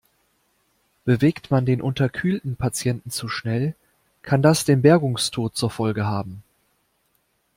Bewegt man den unterkühlten Patienten zu schnell, kann das den Bergungstod zur Folge haben.